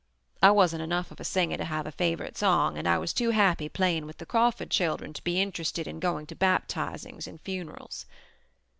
I wasn't enough of a singer to have a favorite song, and I was too happy playing with the Crawford children to be interested in going to baptizings and funerals.